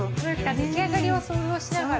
出来上がりを想像しながら。